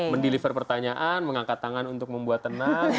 mendeliver pertanyaan mengangkat tangan untuk membuat tenang